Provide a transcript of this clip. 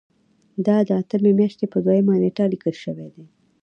دا د اتمې میاشتې په دویمه نیټه لیکل شوی دی.